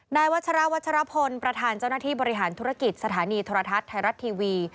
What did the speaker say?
นายวัชราวัชรพลประธานเจ้าหน้าที่บริหารธุรกิจสถานีโทรทัศน์ไทยรัฐทีวี